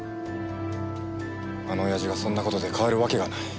あの親父がそんな事で変わるわけがない。